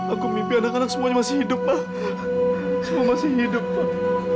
aku mimpi anak anak semuanya masih hidup pak semua masih hidup pak